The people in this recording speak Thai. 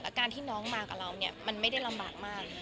การที่น้องมากับเราเนี่ยมันไม่ได้ลำบากมาก